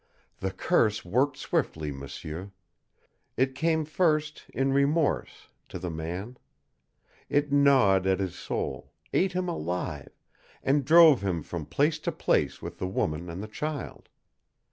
"The curse worked swiftly, m'sieur. It came first in remorse to the man. It gnawed at his soul, ate him alive, and drove him from place to place with the woman and the child.